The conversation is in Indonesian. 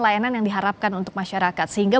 layanan yang diharapkan untuk masyarakat sehingga